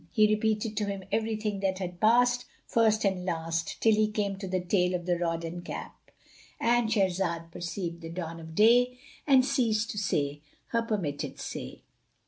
He repeated to him every thing that had passed, first and last, till he came to the tale of the rod and cap,—And Shahrazad perceived the dawn of day and ceased to say her permitted say.